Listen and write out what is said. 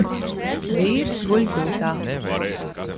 V?rs gu? gult?.